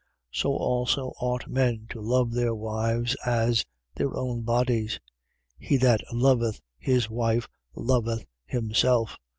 5:28. So also ought men to love their wives as their own bodies. He that loveth his wife loveth himself.